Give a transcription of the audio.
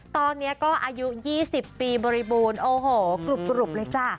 ตอนนี้ก็อายุ๒๐ปีบริบูรณ์โอ้โหกรุบเลยจ้ะ